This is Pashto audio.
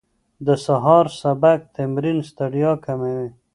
د سهار سپک تمرین ستړیا کموي.